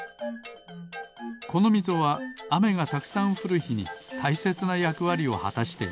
このみぞはあめがたくさんふるひにたいせつなやくわりをはたしています。